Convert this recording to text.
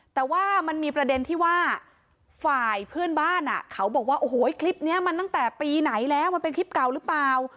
แต่ว่ามันมีประเด็นที่ว่าฝ่ายเพื่อนบ้านเขาบอกว่าโอ้โหคลิปนี้มันตั้งแต่ปีไหนแล้วมันเป็นคลิปเก่าหรือเปล่า